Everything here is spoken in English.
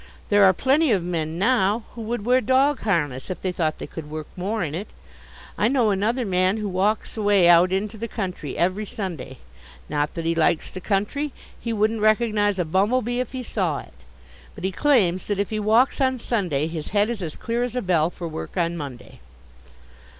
There are plenty of men now who would wear dog harness if they thought they could work more in it. I know another man who walks away out into the country every Sunday: not that he likes the country he wouldn't recognize a bumble bee if he saw it but he claims that if he walks on Sunday his head is as clear as a bell for work on Monday.